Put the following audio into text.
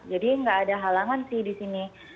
jadi nggak ada halangan sih di sini